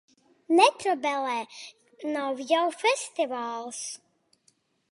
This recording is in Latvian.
Netrobelē! Nav jau festivāls!